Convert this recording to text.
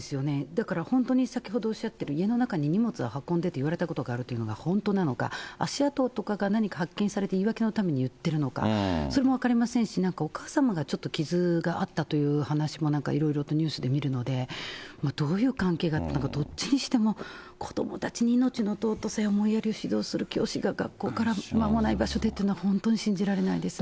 だから本当に先ほどおっしゃっている、家の中に荷物を運んでと言われたことが本当なのか、足跡とか何か発見されて言い訳のために言っているのか、それも分かりませんし、なんかお母様がちょっと傷があったという話もなんかいろいろとニュースで見るので、どういう関係だったのか、どっちにしても子どもたちに命の尊さや思いやりを指導する教師が学校から間もない場所でというのは本当に信じられないですね。